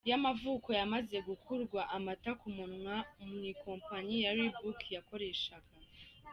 yamavuko yamaze gukurwa amata ku munwa mu ikompanyi ya Reebok yakoreshaga.